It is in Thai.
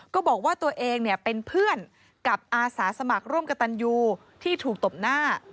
ก็บอกว่าตัวเองเป็นเพื่อนกับอาสาสมัครร่วมกับตันยูที่ถูกตบหน้า